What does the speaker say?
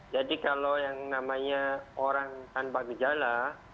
jadi kalau yang namanya orang tanpa gejala